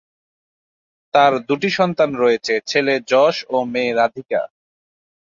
তাঁদের দুটি সন্তান রয়েছে: ছেলে যশ ও মেয়ে রাধিকা।